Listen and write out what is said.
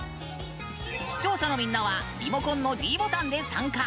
視聴者のみんなはリモコンのｄボタンで参加。